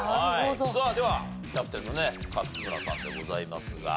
さあではキャプテンのね勝村さんでございますが。